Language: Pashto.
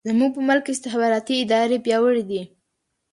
زموږ په ملک کې استخباراتي ادارې پیاوړې دي.